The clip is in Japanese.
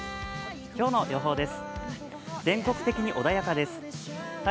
今日の予報です。